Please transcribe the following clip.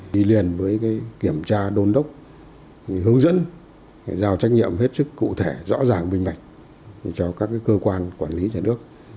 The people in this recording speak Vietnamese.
đi liền với kiểm tra đôn đốc hướng dẫn giao trách nhiệm hết sức cụ thể rõ ràng vinh mạnh cho các cơ quan quản lý dân ước